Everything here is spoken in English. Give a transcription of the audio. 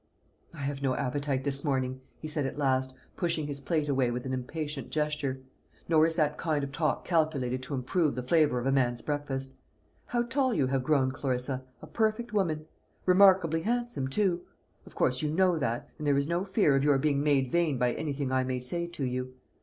"I have no appetite this morning," he said at last, pushing his plate away with an impatient gesture; "nor is that kind of talk calculated to improve the flavour of a man's breakfast. How tall you have grown, Clarissa, a perfect woman; remarkably handsome too! Of course you know that, and there is no fear of your being made vain by anything I may say to you.